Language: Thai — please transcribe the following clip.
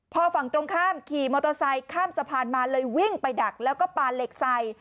พอฝั่งตรงข้ามขี่มอเตอร์ไซค์ข้ามสะพานมาเลยวิ่งไปดักแล้วก็ปานเหล็กใส่